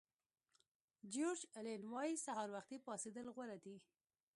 جیورج الین وایي سهار وختي پاڅېدل غوره دي.